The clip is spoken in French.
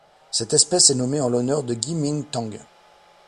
Cette espèce est nommée en l'honneur de Gui-ming Tang.